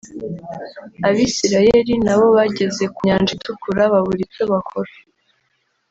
Abisiraeli nabo bageze ku nyanja itukura babura icyo bakora